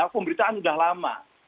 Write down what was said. pemberitaan sudah lama